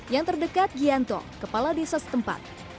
yang terdekat gianto kepala desa setempat